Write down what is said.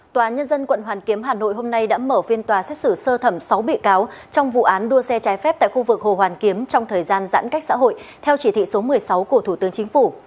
tòa nhân dân quận hoàn kiếm hà nội hôm nay đã mở phiên tòa xét xử sơ thẩm sáu bị cáo trong vụ án đua xe trái phép tại khu vực hồ hoàn kiếm trong thời gian giãn cách xã hội theo chỉ thị số một mươi sáu của thủ tướng chính phủ